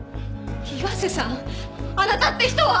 岩瀬さんあなたって人は！